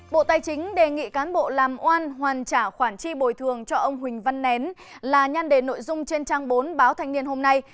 bộ tài chính đề nghị cán bộ làm oan hoàn trả khoản chi bồi thường cho ông huỳnh văn nén là nhan đề nội dung trên trang bốn báo thanh niên hôm nay